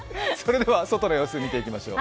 外の様子見ていきましょう。